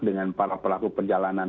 dengan para pelaku perjalanan